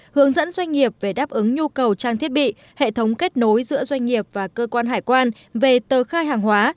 hướng dẫn doanh nghiệp về đáp ứng nhu cầu trang thiết bị hệ thống kết nối giữa doanh nghiệp và cơ quan hải quan về tờ khai hàng hóa